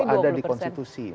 itu ada di konstitusi